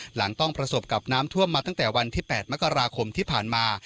หลังต้องประสบกับน้ำท่วมมาตั้งแต่วันที่๘มกราคมที่ผ่านมา